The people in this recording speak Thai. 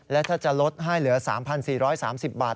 และถ้าจะลดให้เหลือ๓๔๓๐บาท